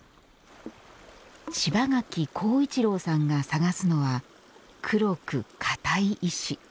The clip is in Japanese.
柴垣廣一郎さんが探すのは黒く硬い石。